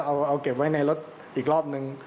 เอาเก็บไว้ในรถอีกรอบนึง